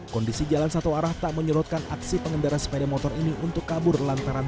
kondisi jalan satu arah tak menyerutkan aksi pengendara sepeda motor ini untuk kabur lantaran